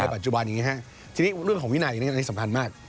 ในปัจจุบันอย่างนี้ครับทีนี้เรื่องของวินัยนี่เนี่ยสำคัญมาก